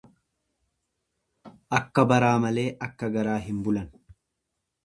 Akka baraa malee akka garaa hin bulan.